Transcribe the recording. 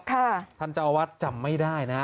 ท่านเจ้าอาวาสจำไม่ได้นะ